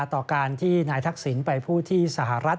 ต่อการที่นายทักษิณไปพูดที่สหรัฐ